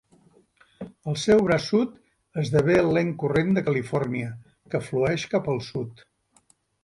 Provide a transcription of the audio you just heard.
El seu braç sud esdevé el lent corrent de Califòrnia, que flueix cap al sud.